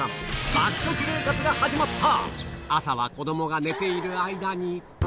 爆食生活が始まった！